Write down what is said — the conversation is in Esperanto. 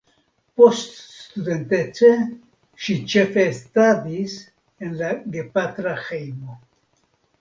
Poststudentece ŝi ĉefe estadis en la gepatra hejmo.